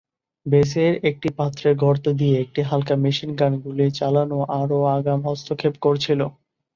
বেসের একটি পাত্রের গর্ত দিয়ে একটি হালকা মেশিনগান গুলি চালানো আরও আগাম হস্তক্ষেপ করছিল।